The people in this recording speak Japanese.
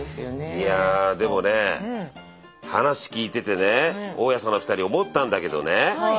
いやでもね話聞いててね大家さんの２人思ったんだけどね